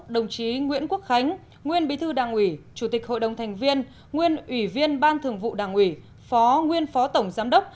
đồng chí nguyễn quốc khánh nguyên bí thư đảng ủy chủ tịch hội đồng thành viên nguyên ủy viên ban thường vụ đảng ủy phó nguyên phó tổng giám đốc